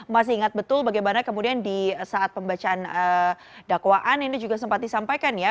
masih ingat betul bagaimana kemudian di saat pembacaan dakwaan ini juga sempat disampaikan ya